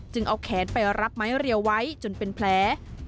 เอาแขนไปรับไม้เรียวไว้จนเป็นแผล